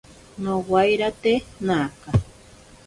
Nowairate naka.